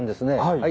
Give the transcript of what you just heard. はい。